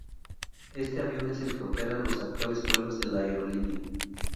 Este avión es el que opera los actuales vuelos de la aerolínea.